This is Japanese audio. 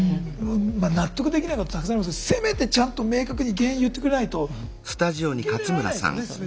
納得できないことたくさんありますけどせめてちゃんと明確に原因言ってくれないと受け入れられないですよね